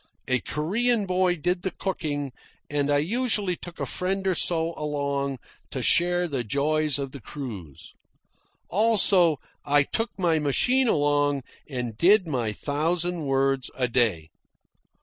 A Korean boy did the cooking, and I usually took a friend or so along to share the joys of the cruise. Also, I took my machine along and did my thousand words a day.